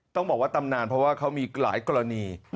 ต้องบอกว่าตำนานเพราะว่าเขามีหลายกรณี